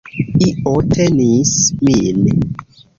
Io tenis min.